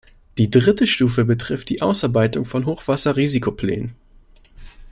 Die dritte Stufe betrifft die Ausarbeitung von Hochwasserrisikoplänen.